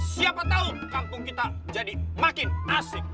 siapa tahu kampung kita jadi makin asik